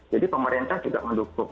jadi pemerintah juga mendukung